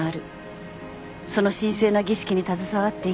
「その神聖な儀式に携わっていきたい」